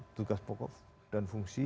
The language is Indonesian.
tugas pokok dan fungsi